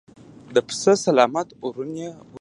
د پسه سلامت ورون يې ور وشکاوه.